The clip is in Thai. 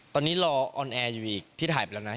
ตอนนี้รอออนแอร์อยู่อีกที่ถ่ายไปแล้วนะ